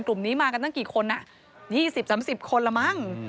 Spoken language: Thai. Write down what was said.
กลุ่มนี้มากันตั้งกี่คน๒๐๓๐คนละมั้ง